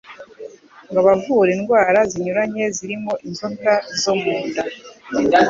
ngo abavura indwara zinyuranye zirimo inzoka zo mu nda,